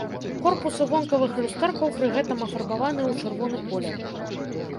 Корпусы вонкавых люстэркаў пры гэтым афарбаваныя ў чырвоны колер.